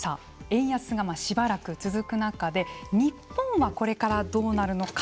円安がしばらく続く中で日本は、これからどうなるのか。